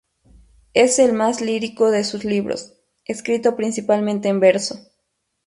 Es el más lírico de sus libros, escrito principalmente en verso.